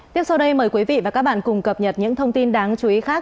tiếp sau đây mời quý vị và các bạn cùng cập nhật những thông tin đáng chú ý khác